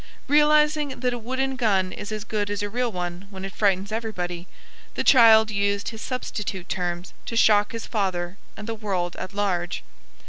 Realizing that a wooden gun is as good as a real one when it frightens everybody, the child used his substitute terms to shock his father and the world at large.